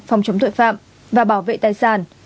phòng chống tội phạm và bảo vệ tài sản